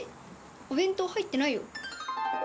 お弁当入ってないよ。